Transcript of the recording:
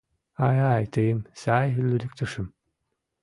— Ай-ай, тыйым сай лӱдыктышым.